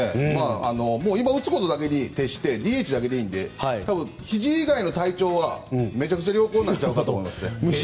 今、打つことだけに徹してＤＨだけでいいので多分、ひじ以外の体調はめちゃくちゃ良好なんちゃうかと思います。